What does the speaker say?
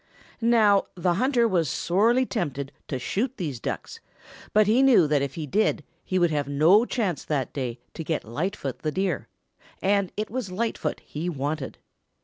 Now the hunter was sorely tempted to shoot these Ducks, but he knew that if he did he would have no chance that day to get Lightfoot the Deer, and it was Lightfoot he wanted.